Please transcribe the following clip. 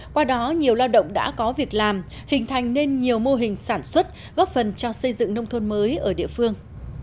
qua đó nhiều lao động đã có việc làm hình thành nên nhiều mô hình sản xuất góp phần cho xây dựng nông thôn mới ở địa phương